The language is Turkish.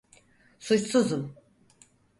Suçsuzum.